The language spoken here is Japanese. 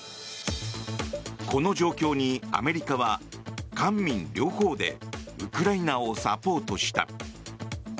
この状況にアメリカは官民両方でウクライナをサポートした。